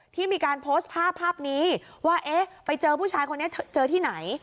ที่มีการโพสต์ภาพภาพนี้ว่าเอ๊ะไปเจอผู้ชายคนนี้เจอที่ไหน